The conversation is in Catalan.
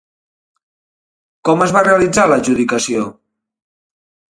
Com es va realitzar l'adjudicació?